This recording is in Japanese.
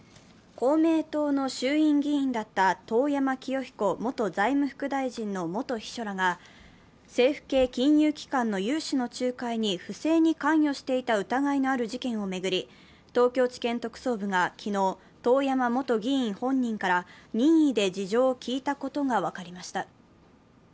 公明党の衆院議員だった遠山清彦元財務副大臣の元秘書らが政府系金融機関の融資の仲介に不正に関与していた疑いのある事件を巡り東京地検特捜部が昨日、遠山元議員本人から任意で事情を聴いたことが分かりました。